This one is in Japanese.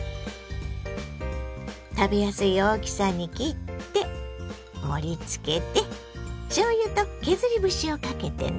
食べやすい大きさに切って盛りつけてしょうゆと削り節をかけてね。